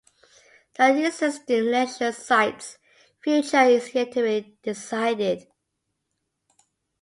The existing leisure site's future is yet to be decided.